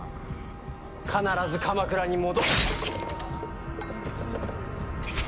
必ず鎌倉に戻。